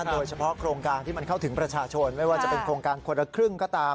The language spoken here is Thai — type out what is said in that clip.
โดยเฉพาะโครงการที่มันเข้าถึงประชาชนไม่ว่าจะเป็นโครงการคนละครึ่งก็ตาม